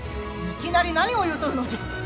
いきなり何を言うておるのじゃ！